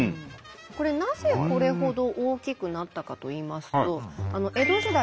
これなぜこれほど大きくなったかといいますと江戸時代